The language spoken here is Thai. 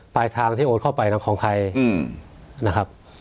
ปลายทางที่โอนเข้าไปของใครนะครับ